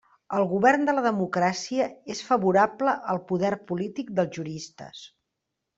El govern de la democràcia és favorable al poder polític dels juristes.